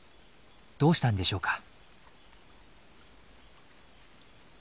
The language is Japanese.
どうしたんでしょうか。